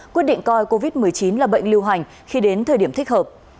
quyết định coi covid một mươi chín là bệnh lưu hành khi đến thời điểm thích hợp